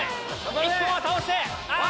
１本は倒して！